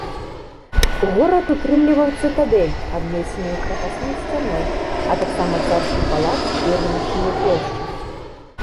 Горад утрымліваў цытадэль, абнесеную крапасной сцяной, а таксама царскі палац і рыначную плошчу.